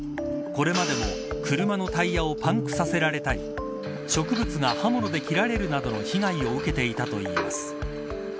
これまでも車のタイヤをパンクさせられたり植物が刃物で切られるなどの被害を受けていたといいます。